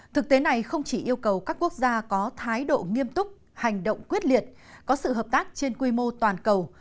thực tế này không chỉ yêu cầu các quốc gia có thái độ nghiêm túc hành động quyết liệt có sự hợp tác trên quy mô toàn cầu